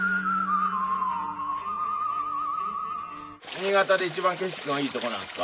新潟でいちばん景色のいいとこなんですか？